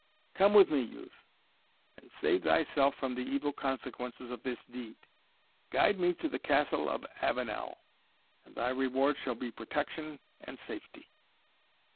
Come with me, youth, and save thyself from the evil consequences of this deed Guide me to the Castle of Avenel, and thy reward shall be protection and safety."